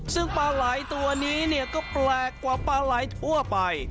ซึ่งปลาไหล่ตัวนี้เนี่ยก็แปลกกว่าปลาไหลทั่วไป